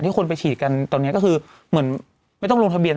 คนไปฉีดกันตอนนี้ก็คือเหมือนไม่ต้องลงทะเบียน